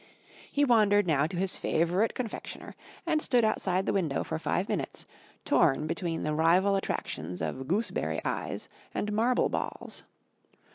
He wandered now to his favourite confectioner and stood outside the window for five minutes, torn between the rival attractions of Gooseberry Eyes and Marble Balls.